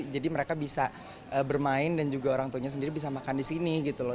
jadi mereka bisa bermain dan juga orangtunya sendiri bisa makan di sini gitu loh